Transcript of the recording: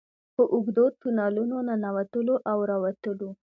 په اوږدو تونلونو ننوتلو او راوتلو.